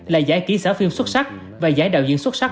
là giải ký xã phim xuất sắc và giải đạo diễn xuất sắc